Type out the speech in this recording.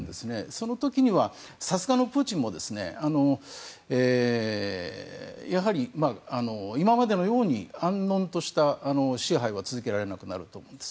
その時には、さすがのプーチンもやはり、今までのように安穏とした支配は続けられなくなると思います。